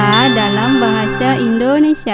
cerita dalam bahasa indonesia